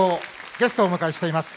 ゲストをお迎えしています。